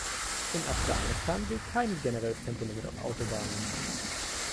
In Afghanistan gilt kein generelles Tempolimit auf Autobahnen.